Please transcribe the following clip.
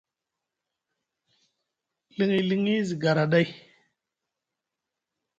Liŋi liŋi zi gara ɗay.